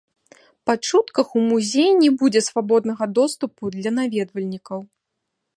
Па чутках у музей не будзе свабоднага доступу для наведвальнікаў.